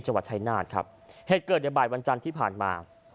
จังหวัดชายนาฏครับเหตุเกิดในบ่ายวันจันทร์ที่ผ่านมา